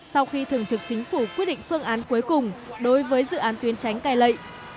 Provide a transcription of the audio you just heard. sau khi thường trực chính phủ quyết định phương án cuối cùng đối với dự án tuyến tránh cai lệ